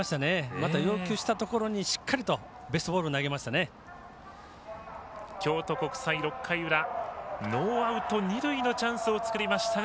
また要求したところにしっかりとベストボールを投げましたね。